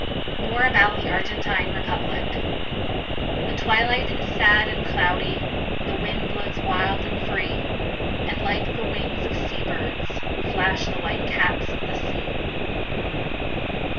MORE ABOUT THE ARGENTINE REPUBLIC. The twilight is sad and cloudy, The wind blows wild and free, And like the wings of sea birds _Flash the white caps of the sea.